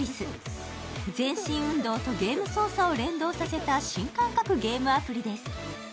全身運動とゲーム操作を連動させた新感覚ゲームです。